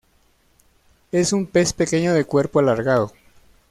Es un pez pequeño de cuerpo alargado.